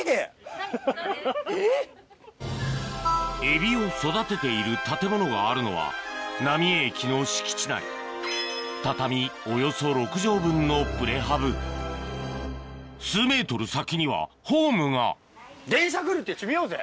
エビを育てている建物があるのは浪江駅の敷地内畳およそ６畳分のプレハブ数ｍ先にはホームが電車来るって見ようぜ！